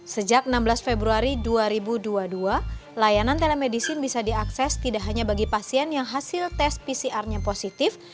sejak enam belas februari dua ribu dua puluh dua layanan telemedicine bisa diakses tidak hanya bagi pasien yang hasil tes pcr nya positif